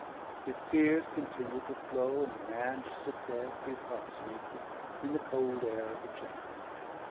His tears continued to flow, and the man to sit there, three parts naked, in the cold air of the chamber.